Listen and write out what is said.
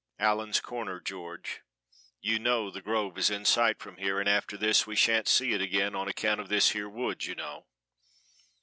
"Allen's Corner, George. You know 'The Grove' is in sight from here, and after this we shan't see it again on account of this here wood, you know."